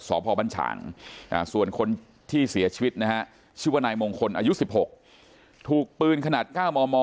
พบัญชางส่วนคนที่เสียชีวิตนะฮะชื่อว่านายมงคลอายุ๑๖ถูกปืนขนาด๙มม